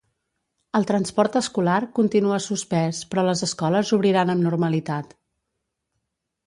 El transport escolar continua suspès però les escoles obriran amb normalitat.